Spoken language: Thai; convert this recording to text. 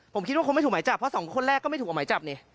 ผมคิดว่าคงไม่ถูกหมายจับเพราะสองคนแรกก็ไม่ถูกออกหมายจับนี่